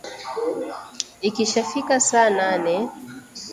Ikishafika saa nane